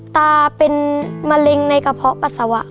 ตาเป็นมะเร็งในกระเพาะปัสสาวะ